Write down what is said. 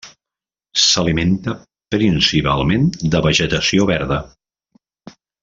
S'alimenta principalment de vegetació verda.